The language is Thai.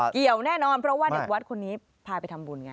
เกี่ยวแน่นอนเพราะว่าเด็กวัดคนนี้พาไปทำบุญไง